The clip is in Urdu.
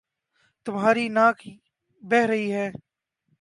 تمہاری ناک بہ رہی ہے